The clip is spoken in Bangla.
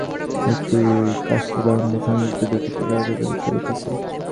একটি কাষ্ঠদণ্ডে সংযোজিত দুইটি চাকা একত্র চলিতেছে।